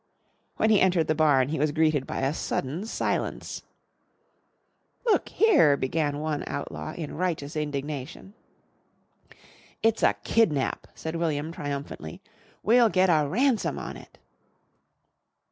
When he entered the barn he was greeted by a sudden silence. "Look here!" began one outlaw in righteous indignation. "It's a kidnap," said William, triumphantly. "We'll get a ransom on it."